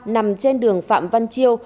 nằm trên đường phạm văn chiêu